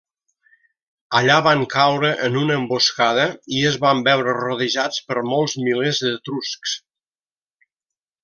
Allà van caure en una emboscada, i es van veure rodejats per molts milers d'etruscs.